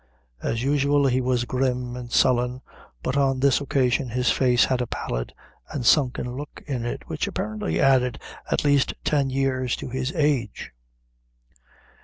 As usual, he was grim and sullen, but on this occasion his face had a pallid and sunken look in it, which apparently added at least ten years to his age.